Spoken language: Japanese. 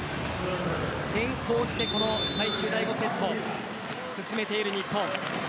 先行してこの最終第５セット進めている日本。